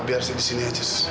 biar sih di sini aja